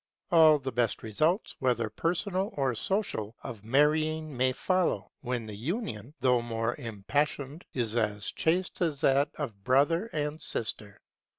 All the best results, whether personal or social, of marriage may follow, when the union, though more impassioned, is as chaste as that of brother and sister.